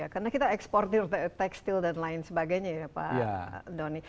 karena kita ekspor tekstil dan lain sebagainya pak doni